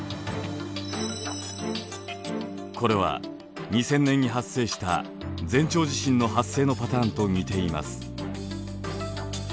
これは２０００年に発生した前兆地震の発生のパターンと似ています。